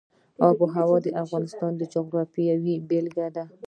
آب وهوا د افغانستان د جغرافیې بېلګه ده.